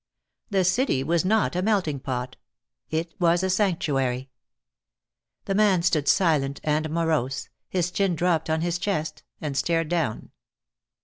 The city was not a melting pot. It was a sanctuary. The man stood silent and morose, his chin dropped on his chest, and stared down.